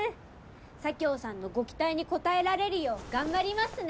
佐京さんのご期待に応えられるよう頑張りますね